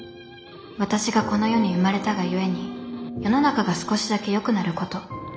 私がこの世に生まれたがゆえに世の中が少しだけよくなること。